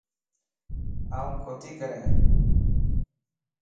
آن ڪوتي ڪرين